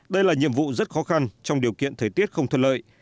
đây là nhiệm vụ rất khó khăn trong điều kiện thời tiết không thuận lợi